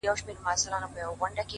خالقه خدايه ستا د نُور د نقدس نښه ده;